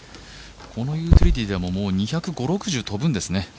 このユーティリティーでは２５０６０飛ぶんですね。